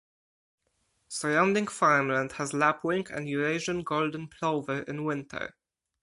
Surrounding farmland has lapwing and Eurasian golden plover in winter.